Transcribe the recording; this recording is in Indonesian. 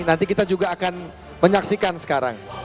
nanti kita juga akan menyaksikan sekarang